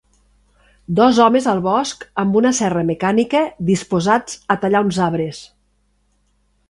Dos homes al bosc amb una serra mecànica disposats a tallar uns arbres